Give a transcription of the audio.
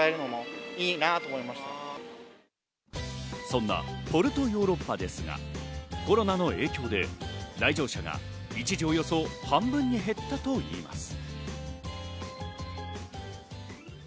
そんなポルトヨーロッパですが、コロナの影響で来場者が一時およそ半分に減ったといいます。